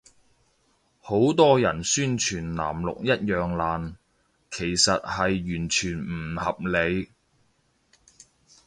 好多人宣傳藍綠一樣爛，其實係完全唔合理